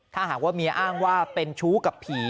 ถ้าหากว่าเมียอ้างว่าเป็นชู้กับผี